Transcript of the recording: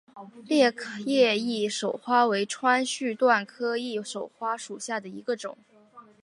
裂叶翼首花为川续断科翼首花属下的一个种。